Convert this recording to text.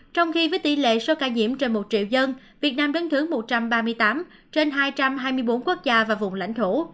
trong khi với tỷ lệ số ca nhiễm trên một triệu dân việt nam đứng thứ một trăm ba mươi tám trên hai trăm hai mươi bốn quốc gia và vùng lãnh thổ